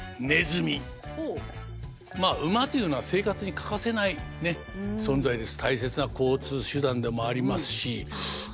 まあ馬というのは生活に欠かせない存在です。